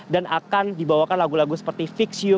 dan akan dibawakan lagu lagu seperti fix you